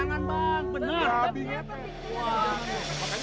jangan pergi sama aku